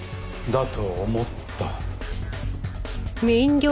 だと思った。